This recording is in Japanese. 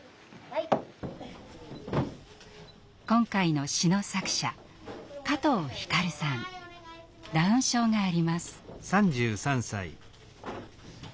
今回の詩の作者ダウン症があります。